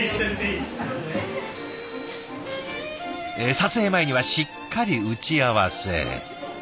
撮影前にはしっかり打ち合わせ。